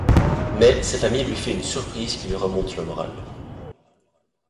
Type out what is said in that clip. Mais, sa famille lui fait une surprise qui lui remonte le moral.